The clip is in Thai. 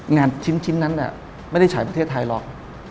ชิ้นนั้นไม่ได้ฉายประเทศไทยหรอก